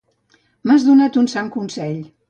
M'has donat un sant consell.